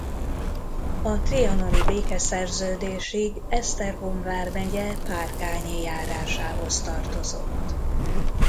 A trianoni békeszerződésig Esztergom vármegye Párkányi járásához tartozott.